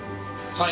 はい！